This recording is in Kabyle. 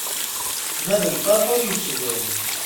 Ma d lferḥ ur yettdum.